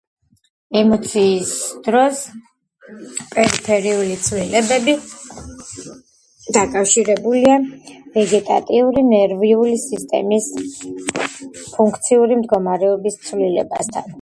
ემოციის დროს პერიფერიული ცვლილებები დაკავშირებულია ვეგეტატიური ნერვული სისტემის ფუნქციური მდგომარეობის ცვლილებასთან.